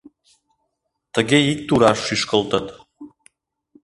Тыге ик тураш шӱшкылтыт.